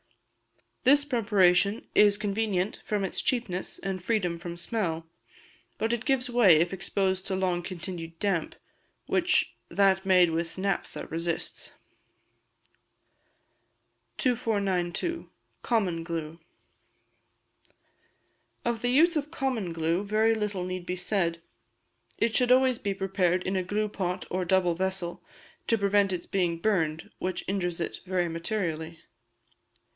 This preparation is convenient from its cheapness and freedom from smell; but it gives way if exposed to long continued damp, which that made with naphtha resists. 2492. Common Glue. Of the use of common glue very little need be said; it should always be prepared in a gluepot or double vessel, to prevent its being burned, which injures it very materially.